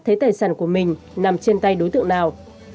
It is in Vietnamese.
thấy tài sản của mình nằm trên tay đối tượng nào